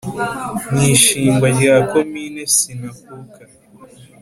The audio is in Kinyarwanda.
mu ishinga rya komine sinakuka